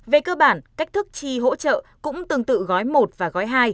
về cơ bản cách thức chi hỗ trợ cũng tương tự gói một và gói hai